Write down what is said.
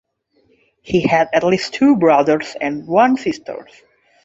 He had at least two brothers and one sister.